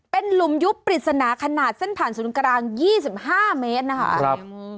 เป็นหลุมยุบปริศนาขนาดเส้นผ่านศูนย์กลาง๒๕เมตรนะคะ